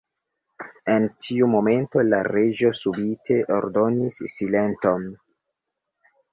En tiu momento la Reĝo subite ordonis "Silenton!"